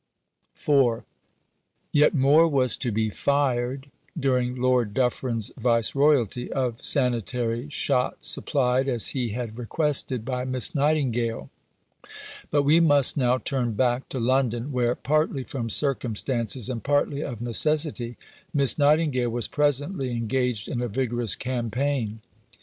IV Yet more was to be "fired," during Lord Dufferin's Viceroyalty, of sanitary "shot" supplied, as he had requested, by Miss Nightingale; but we must now turn back to London, where, partly from circumstances and partly of necessity, Miss Nightingale was presently engaged in a vigorous campaign.